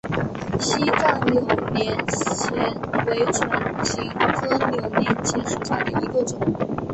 西藏扭连钱为唇形科扭连钱属下的一个种。